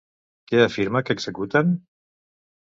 Què afirma que executen?